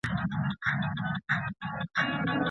ولي مدام هڅاند د مستحق سړي په پرتله بریا خپلوي؟